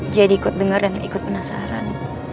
jadi ikut denger dan ikut penasaran